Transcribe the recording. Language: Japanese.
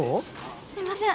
すいません。